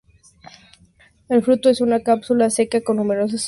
El fruto es una cápsula seca con numerosas semillas.